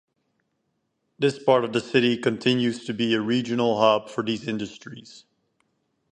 This part of the city continues to be a regional hub for these industries.